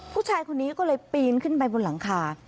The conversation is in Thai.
ผู้ชายคนนี้ก็เลยปีนขึ้นไปบนหลังคา